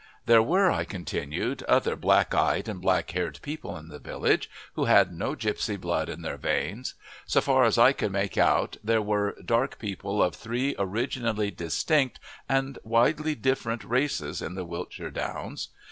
There were, I continued, other black eyed and black haired people in the villages who had no gipsy blood in their veins. So far as I could make out there were dark people of three originally distinct and widely different races in the Wiltshire Downs.